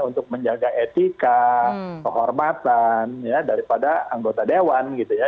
untuk menjaga etika kehormatan ya daripada anggota dewan gitu ya